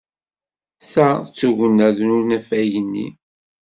Ta d tugna n unafag-nni.